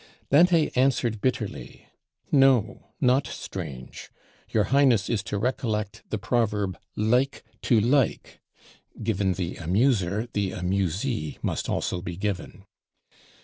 Dante answered bitterly: "No, not strange; your Highness is to recollect the Proverb, 'Like to Like;'" given the amuser, the amusee must also be given!